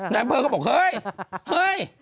นายอำเภาก็บอกเฮ้ย